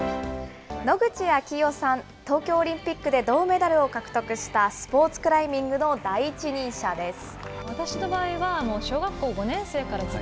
野口啓代さん、東京オリンピックで銅メダルを獲得したスポーツクライミングの第一人者です。